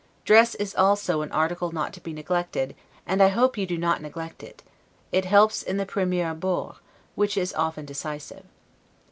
Dress is also an article not to be neglected, and I hope you do not neglect it; it helps in the 'premier abord', which is often decisive.